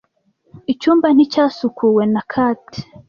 Icyumba nticyasukuwe na Kate.